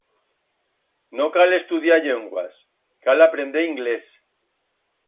No cal estudiar llenguas, cal aprender inglés.